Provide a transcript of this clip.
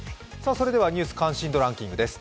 それでは「ニュース関心度ランキング」です。